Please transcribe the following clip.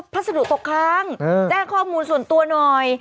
พัสดุตกค้างแจ้งข้อมูลส่วนตัวหน่อย